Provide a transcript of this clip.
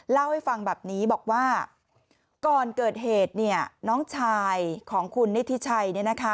เล่าให้ฟังแบบนี้บอกว่าก่อนเกิดเหตุน้องชายของคุณนิทิชัย